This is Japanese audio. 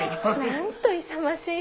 なんと勇ましい。